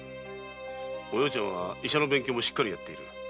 お葉ちゃんは医者の勉強もしっかりやっている。